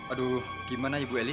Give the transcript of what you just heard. aduh gimana ya bu elis